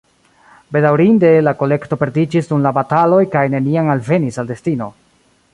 Bedaŭrinde, la kolekto perdiĝis dum la bataloj kaj neniam alvenis al destino.